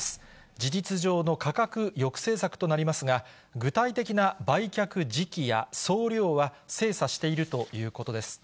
事実上の価格抑制策となりますが、具体的な売却時期や総量は精査しているということです。